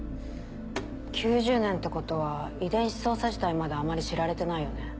９０年ってことは遺伝子操作自体まだあまり知られてないよね。